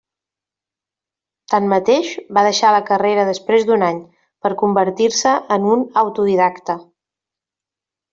Tanmateix, va deixar la carrera després d'un any, per convertir-se en un autodidacte.